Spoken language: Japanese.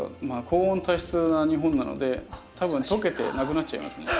高温多湿な日本なので多分溶けて無くなっちゃいますね。